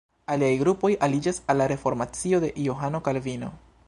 Aliaj grupoj aliĝas al la reformacio de Johano Kalvino.